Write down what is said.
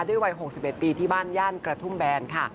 วัย๖๑ปีที่บ้านย่านกระทุ่มแบนค่ะ